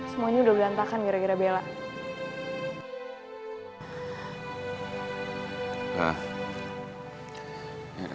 semuanya udah berantakan gara gara bella